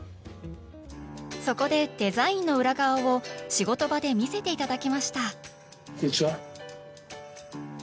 そこでデザインの裏側を仕事場で見せて頂きましたこんにちは。